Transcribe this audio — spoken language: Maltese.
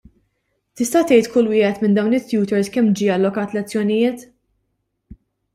Tista' tgħid kull wieħed minn dawn it-tutors kemm ġie allokat lezzjonijiet?